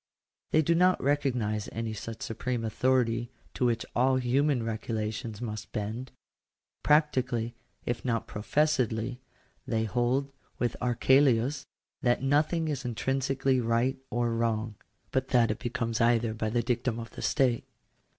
They do not recognise any such supreme authority to which all human regulations must bend. Practically, if not professedly, they hold, with Archelaus, that nothing is intrinsically right or wrong; but that it becomes either by the dictum of the state.